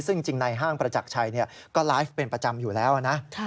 ซึ่งจริงในห้างประจักรชัยก็ไลฟ์เป็นประจำอยู่แล้วนะ